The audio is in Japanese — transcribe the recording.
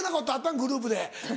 グループで。